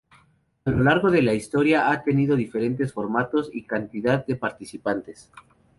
A lo largo de la historia ha tenido diferentes formatos y cantidad de participantes.